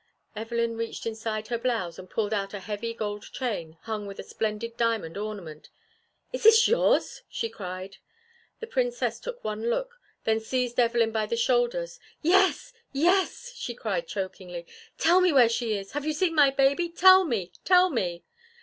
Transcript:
Evelyn reached inside her blouse, and pulled out a heavy gold chain hung with a splendid diamond ornament. "Is this yours?" she cried. The Princess took one look, then seized Evelyn by the shoulders. "Yes! Yes!" she cried, chokingly. "Tell me where is she? Have you seen my baby? Tell me! Tell me!"